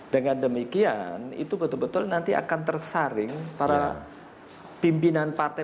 dengan demikian itu betul betul nanti akan tersaring para pimpinan partai